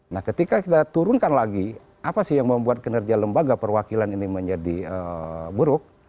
nah ketika kita turunkan lagi apa sih yang membuat kinerja lembaga perwakilan ini menjadi buruk